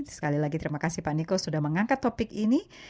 sekali lagi terima kasih pak niko sudah mengangkat topik ini